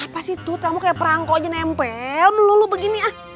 apa sih tut kamu kayak perangkok aja nempel melulu begini ah